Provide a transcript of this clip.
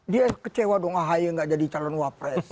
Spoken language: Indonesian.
dia kecewa dong ahy gak jadi calon wapres